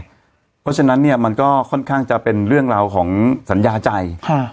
เพราะฉะนั้นเนี่ยมันก็ค่อนข้างจะเป็นเรื่องราวของสัญญาใจ